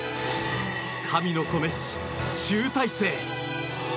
神の子メッシ、集大成。